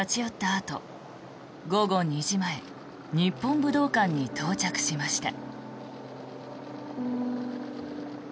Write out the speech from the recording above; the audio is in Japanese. あと午後２時前日本武道館に到着しました。